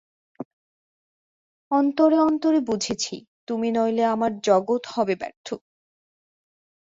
অন্তরে অন্তরে বুঝেছি তুমি নইলে আমার জগৎ হবে ব্যর্থ।